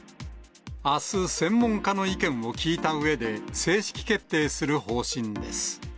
あす、専門家の意見を聞いたうえで正式決定する方針です。